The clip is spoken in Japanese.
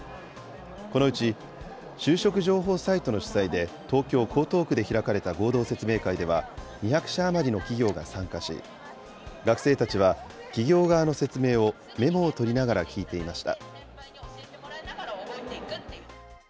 このうち就職情報サイトの主催で、東京・江東区で開かれた合同説明会では、２００社余りの企業が参加し、学生たちは企業側の説明をメモを取りながら聞いていました。